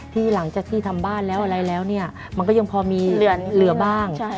หลังจากที่ทำบ้านแล้วอะไรแล้วเนี่ยมันก็ยังพอมีเหลือบ้าง